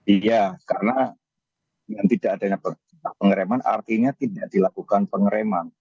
iya karena dengan tidak adanya pengereman artinya tidak dilakukan pengereman